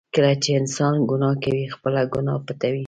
کله چې انسان ګناه کوي، خپله ګناه پټوي.